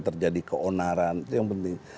terjadi keonaran itu yang penting